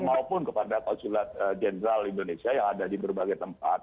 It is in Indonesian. maupun kepada konsulat jenderal indonesia yang ada di berbagai tempat